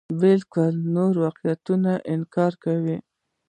بلکې نورو واقعه نګارانو کولې.